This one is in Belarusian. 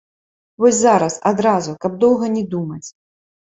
Вось зараз, адразу, каб доўга не думаць.